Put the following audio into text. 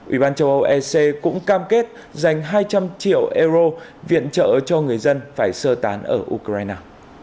ủy ban châu âu ec cũng cam kết dành hai trăm linh triệu euro viện trợ cho người dân phải sơ tán ở ukraine